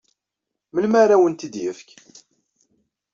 Melmi ara awen-t-id-yefk?